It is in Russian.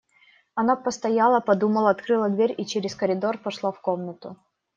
Она постояла, подумала, открыла дверь и через коридор прошла в комнату.